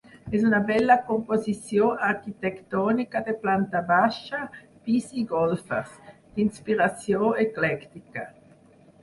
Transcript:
És una bella composició arquitectònica de planta baixa, pis i golfes, d'inspiració eclèctica.